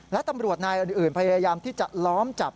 และตำรวจนายอื่นพยายามที่จะล้อมจับ